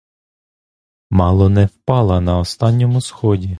Мало не впала на останньому сході.